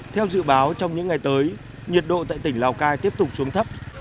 theo dự báo trong những ngày tới nhiệt độ tại tỉnh lào cai tiếp tục xuống thấp